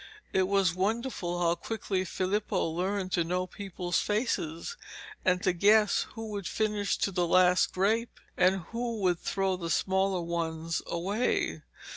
It was wonderful how quickly Filippo learned to know people's faces, and to guess who would finish to the last grape and who would throw the smaller ones away.